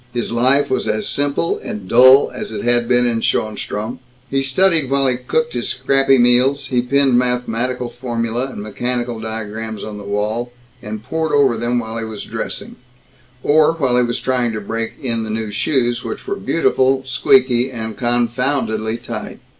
His life was as simple and dull as it had been in Schoenstrom. He studied while he cooked his scrappy meals; he pinned mathematical formulæ and mechanical diagrams on the wall, and pored over them while he was dressing or while he was trying to break in the new shoes, which were beautiful, squeaky, and confoundedly tight.